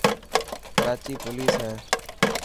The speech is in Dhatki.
ڪراچي پوليس هي.